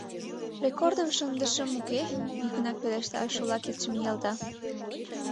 — Рекордым шындышым, уке? — йӱкынак пелешта, шола кидшым ниялта.